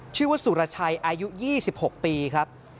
ชื่อว่าสุรชัยอายุ๒๖ปีครับ